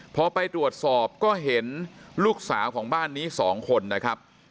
พอไปตรวจสอบก็เห็นลูกสาวของบ้านนี้๒คนนะครับ